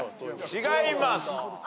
違います。